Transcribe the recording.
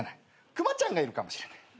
熊ちゃんがいるかもしれない。